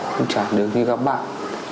không chẳng được như các bạn